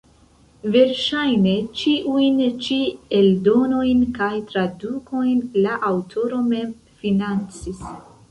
Verŝajne ĉiujn ĉi eldonojn kaj tradukojn la aŭtoro mem financis.